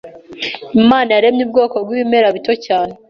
Imana yaremye ubwoko bw’ibimera bito cyane